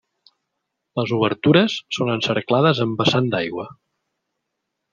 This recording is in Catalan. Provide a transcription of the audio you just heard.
Les obertures són encerclades amb vessant d'aigua.